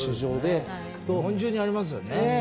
日本中にありますよね。